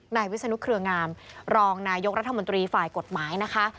นายวิศนุเครืองามรองนายกรัฐมนตรีฝ่ายกฎหมายนะคะ